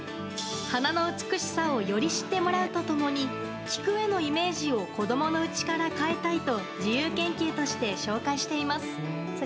花の美しさをより知ってもらうと共に菊へのイメージを子供のうちから変えたいと自由研究として紹介しています。